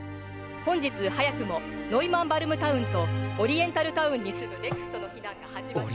本日早くもノイマンバルムタウンとオリエンタルタウンに住むＮＥＸＴの避難が始まっており」。